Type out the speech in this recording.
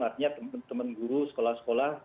artinya teman teman guru sekolah sekolah